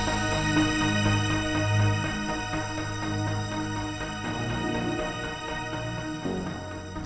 kita sudah selesai